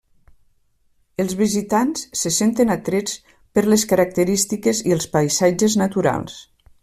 Els visitants se senten atrets per les característiques i els paisatges naturals.